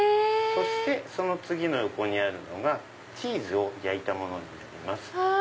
そしてその次の横にあるのがチーズを焼いたものになります。